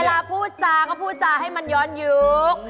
พูดจาก็พูดจาให้มันย้อนยุค